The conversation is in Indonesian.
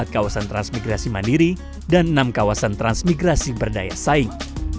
empat kawasan transmigrasi mandiri dan enam kawasan transmigrasi berdaya saing